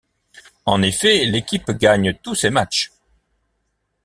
En effet, l'équipe gagne tous ses matchs.